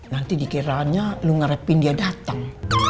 nanti dikiranya lu ngarepin dia dateng